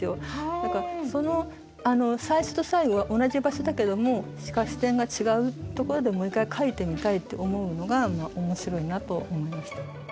何か最初と最後は同じ場所だけども視点が違うところでもう一回描いてみたいって思うのが面白いなと思いました。